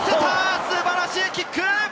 素晴らしいキック！